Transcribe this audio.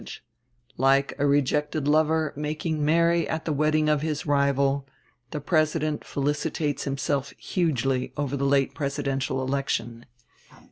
Like a rejected lover making merry at the wedding of his rival, the President felicitates himself hugely over the late presidential election.